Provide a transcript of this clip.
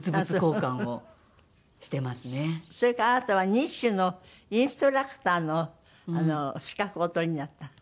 それからあなたは２種のインストラクターの資格をお取りになった？